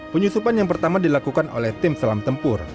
penyusupan yang pertama dilakukan oleh tim selam tempur